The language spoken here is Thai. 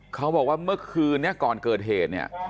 เขาบอกว่าเมื่อคืนนี้ก่อนเกิดเหตุเนี่ย